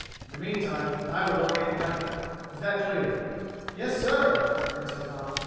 In the meantime, I will locate Knight. Is that clear?" "Yes, sir," answered Tom.